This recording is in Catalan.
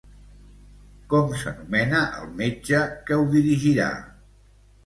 Com s'anomena el metge que ho dirigirà?